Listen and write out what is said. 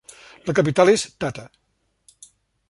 La capital és Tata.